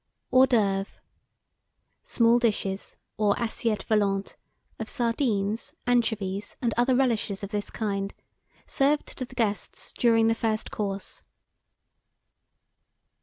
HORS D'OEUVRES. Small dishes, or assiettes volantes of sardines, anchovies, and other relishes of this kind, served to the guests during the first course.